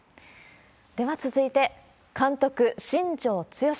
では続いて、監督、新庄剛志。